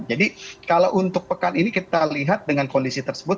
jadi kalau untuk pekan ini kita lihat dengan kondisi tersebut